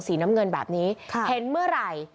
สีน้ำเงินแบบนี้เห็นเมื่อไหร่